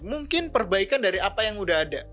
mungkin perbaikan dari apa yang udah ada